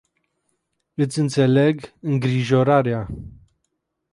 Iti inteleg ingrijorarea.